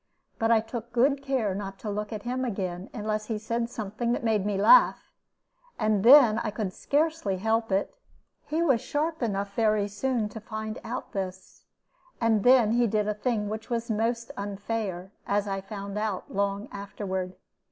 But I took good care not to look at him again unless he said something that made me laugh, and then I could scarcely help it. He was sharp enough very soon to find out this; and then he did a thing which was most unfair, as I found out long afterward.